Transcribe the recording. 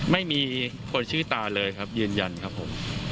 ไม่มีคนชื่อตาเลยครับยืนยันครับผม